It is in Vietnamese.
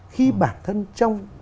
khi bản thân trong